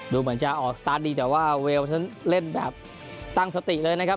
ดูเหมือนจะออกสตาร์ทดีแต่ว่าเวลนั้นเล่นแบบตั้งสติเลยนะครับ